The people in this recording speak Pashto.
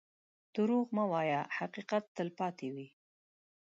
دروغ مه وایه، حقیقت تل پاتې وي.